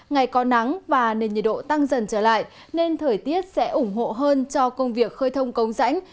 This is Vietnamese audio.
ngày có nắng và nên nhiệt độ tăng dần trở lại nên thời tiết sẽ ủng hộ hơn cho công việc khơi thông công sãnh